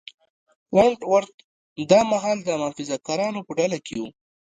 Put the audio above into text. ونټ ورت دا مهال د محافظه کارانو په ډله کې و.